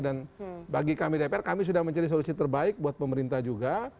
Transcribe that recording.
dan bagi kami dpr kami sudah mencari solusi terbaik buat pemerintah juga